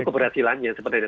itu keberhasilannya sepertinya